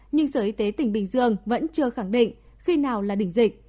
nhưng sở y tế tỉnh bình dương vẫn chưa khẳng định khi nào là đỉnh dịch